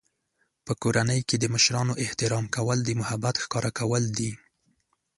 په کورنۍ کې د مشرانو احترام کول د محبت ښکاره کول دي.